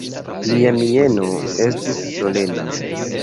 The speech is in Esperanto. Lia mieno estis solena.